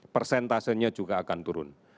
persentasenya juga akan turun